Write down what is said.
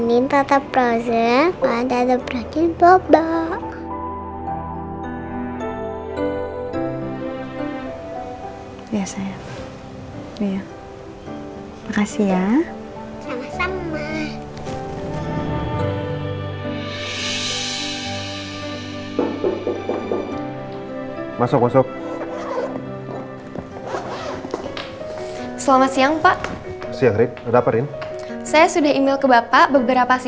di rumah tante frozen selalu kembali ke z